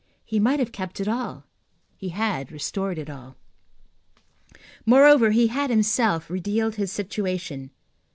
He might have kept it all, he had restored it all. Moreover, he had himself revealed his situation.